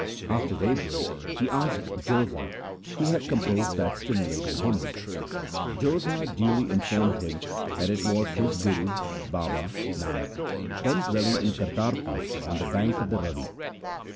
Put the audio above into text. After daybreak he asked Jodha who had composed that stimulating hymn. Jodha duly informed him that it was his Guru, Baba 2 Nanak, then dwelling in Kartarpur on the bank of the Ravi.